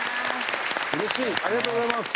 ありがとうございます。